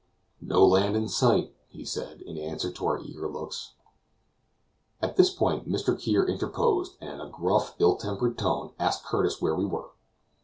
"No land in sight," he said, in answer to our eager looks. At this point Mr. Kear interposed, and in a gruff, ill tempered tone, asked Curtis where we were.